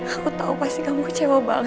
aku tahu pasti kamu cewe banget sama aku mas